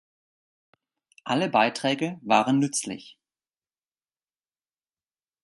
Alle Beiträge waren nützlich.